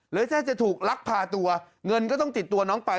หรือถ้าจะถูกลักพาตัวเงินก็ต้องติดตัวน้องไป